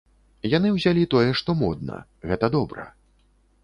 Яны ўзялі тое, што модна, гэта добра.